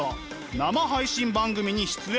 生配信番組に出演。